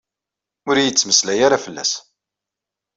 Ur iyi-d-ttmeslay ara fell-as.